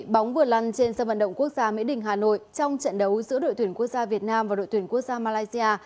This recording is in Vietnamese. bóng vừa lăn trên sân vận động quốc gia mỹ đình hà nội trong trận đấu giữa đội tuyển quốc gia việt nam và đội tuyển quốc gia malaysia